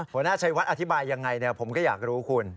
หัวหน้าชัยวัดอธิบายยังไงผมก็อยากรู้คุณ